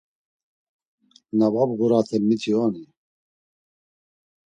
Na va bğuraten miti oni?